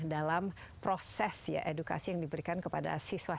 dalam proses ya edukasi yang diberikan kepada siswa